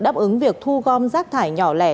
đáp ứng việc thu gom rác thải nhỏ lẻ